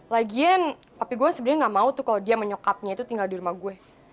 lagian tapi gue sebenernya gak mau tuh kalo dia sama nyokapnya itu tinggal di rumah gue